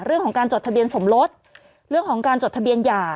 เรื่องของการจดทะเบียนสมรสเรื่องของการจดทะเบียนหย่า